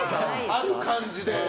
ある感じで。